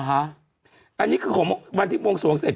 อันนี้คือของวันที่บวงสวงเสร็จ